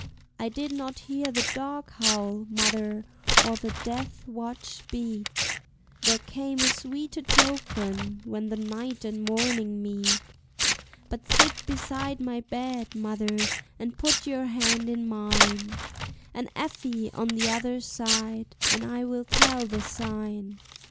I did not hear the dog howl, mother, or the death watch beat, There came a sweeter token when the night and morning meet; But sit beside my bed, mother, and put your hand in mine, And Effie on the other side, and I will tell the sign.